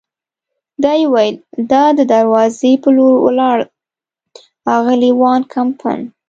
دا یې وویل او د دروازې په لور ولاړل، اغلې وان کمپن.